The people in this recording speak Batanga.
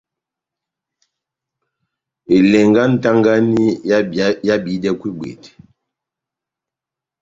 Elɛngɛ yá nʼtagani ehábihidɛkwɛ ibwete.